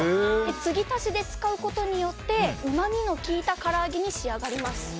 継ぎ足しで使うことによってうまみの効いたから揚げに仕上がります。